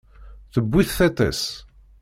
Tewwi-t tiṭ-is.